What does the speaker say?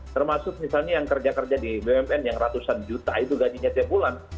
termasuk misalnya yang kerja kerja di bumn yang ratusan juta itu gajinya tiap bulan